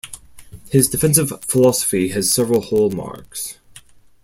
His defensive philosophy has several hallmarks.